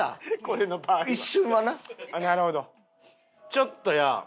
ちょっと。